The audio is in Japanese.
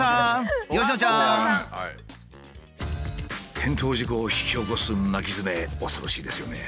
転倒事故を引き起こす巻きヅメ恐ろしいですよね。